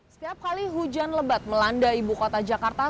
setiap kali hujan lebat melanda ibu kota jakarta